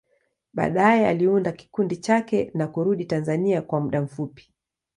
Baadaye, aliunda kikundi chake na kurudi Tanzania kwa muda mfupi.